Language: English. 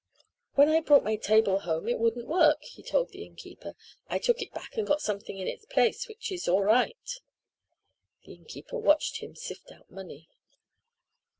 "When I brought my table home it wouldn't work," he told the innkeeper. "I took it back and got something in its place which is all right." The innkeeper watched him sift out money.